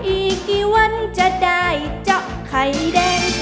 อีกกี่วันจะได้เจาะไข่แดง